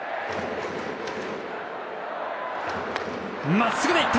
まっすぐでいった！